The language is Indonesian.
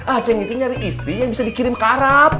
aceh itu nyari istri yang bisa dikirim ke arab